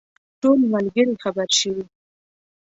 ټول ملګري خبر شوي.